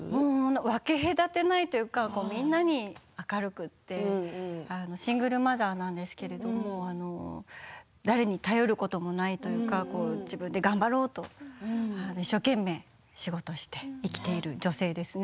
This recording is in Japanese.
分け隔てないというか皆に明るくてシングルマザーなんですけど誰に頼ることもないというか自分で頑張ろうと一生懸命仕事をして生きている女性ですね。